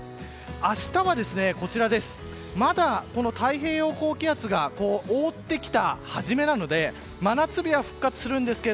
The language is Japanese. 明日はまだ太平洋高気圧が覆ってきはじめなので真夏日は復活しますが